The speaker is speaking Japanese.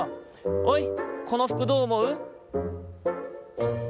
おいこのふくどうおもう？